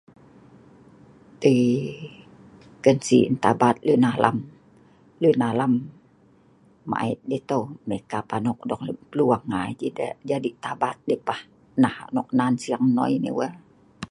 Teii ken sii tabat lun alam, lun alam maet deh tau, mei kap anok lem plu'ung ngai deh kap jadi tabat deh pah, nah nok nan siing hnoi neh wuh